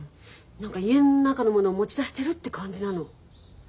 何か家ん中の物を持ち出してるって感じなの。